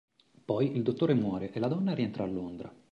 Poi il dottore muore e la donna rientra a Londra.